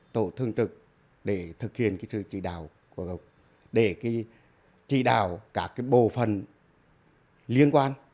tổ thương trực để thực hiện cái sự trị đạo của gốc để cái trị đạo các cái bộ phần liên quan